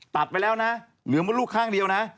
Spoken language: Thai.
ไปแล้วนะเหลือมดลูกข้างเดียวนะ